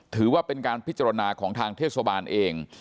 ถือว่าเป็นการพิจารณาของทางเทศบาลเอง